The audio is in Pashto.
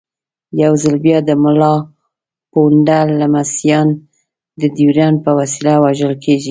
یو ځل بیا د ملا پوونده لمسیان د ډیورنډ په وسیله وژل کېږي.